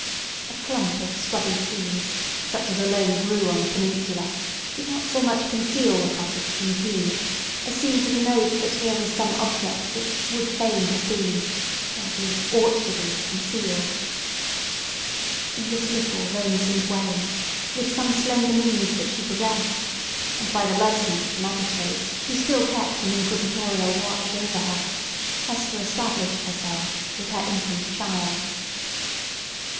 A clump of scrubby trees, such as alone grew on the peninsula, did not so much conceal the cottage from view, as seem to denote that here was some object which would fain have been, or at least ought to be, concealed. In this little lonesome dwelling, with some slender means that she possessed, and by the licence of the magistrates, who still kept an inquisitorial watch over her, Hester established herself, with her infant child.